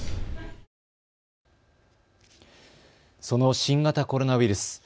その新型コロナウイルス。